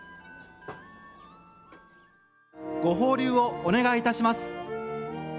ご放流をお願いいたします。